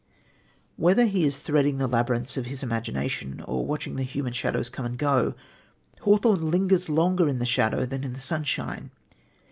Whether he is threading the labyrinths of his imagination or watching the human shadows come and go, Hawthorne lingers longer in the shadow than in the sunshine.